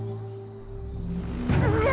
うっ。